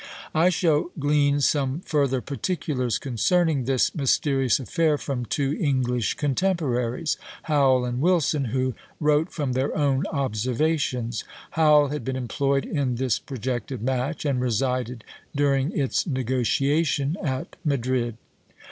I shall glean some further particulars concerning this mysterious affair from two English contemporaries, Howel and Wilson, who wrote from their own observations. Howel had been employed in this projected match, and resided during its negotiation at Madrid.